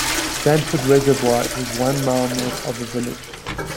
Stanford Reservoir is one mile north of the village.